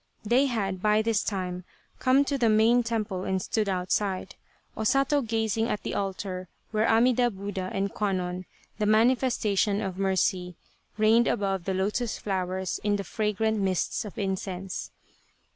They had by this time come to the main temple and stood outside, O Sato gazing at the altar where Amida Buddha and Kwannon, the Manifestation of 167 Tsubosaka Mercy, reigned above the lotus flowers in the fragrant mists of incense.